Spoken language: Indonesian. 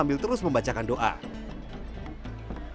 sambil terus membacakan suatu hal yang berbeda dengan bangku ini